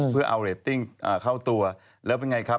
เพื่อเอาเรตติ้งเข้าตัวแล้วเป็นไงครับ